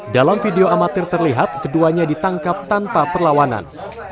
dalam video amatir terlihat keduanya ditangkap tanpa perlawanan